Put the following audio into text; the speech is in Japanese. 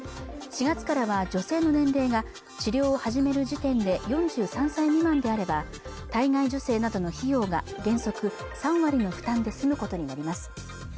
４月からは女性の年齢が治療を始める時点で４３歳未満であれば体外受精などの費用が原則３割の負担で済むことになります